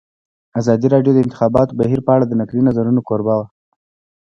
ازادي راډیو د د انتخاباتو بهیر په اړه د نقدي نظرونو کوربه وه.